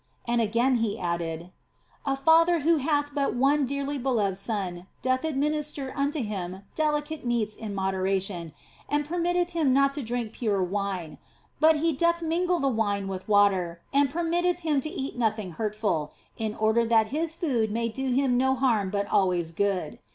And again he added :" A father who hath but one dearly beloved son doth administer unto him delicate meats in moderation, and permitteth him not to drink pure wine ; but he doth mingle the wine with water and permitteth him to eat nothing hurtful, in order that his food may do him no hurt but always good.